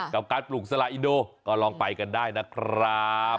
กับการปลูกสละอินโดก็ลองไปกันได้นะครับ